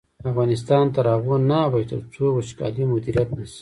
افغانستان تر هغو نه ابادیږي، ترڅو وچکالي مدیریت نشي.